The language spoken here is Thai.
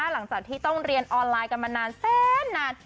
หลังจากที่ต้องเรียนออนไลน์กันมานานแสนนาน